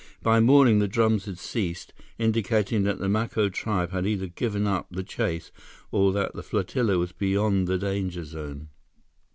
By morning, the drums had ceased, indicating that the Maco tribe had either given up the chase or that the flotilla was beyond the danger zone.